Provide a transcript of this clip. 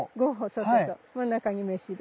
そうそうそう真ん中にめしべ。